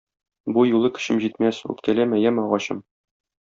бу юлы көчем җитмәс, үпкәләмә яме, агачым.